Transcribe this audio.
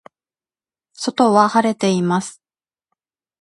外は晴れています。